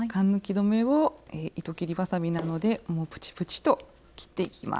止めを糸切りばさみなどでプチプチと切っていきます。